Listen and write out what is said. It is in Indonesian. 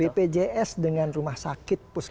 bpjs dengan rumah sakit